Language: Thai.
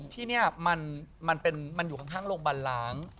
ที่นี่มันอยู่ข้างโรงพยาบาลล้าง